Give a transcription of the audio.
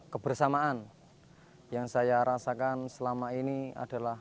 kebersamaan yang saya rasakan selama ini adalah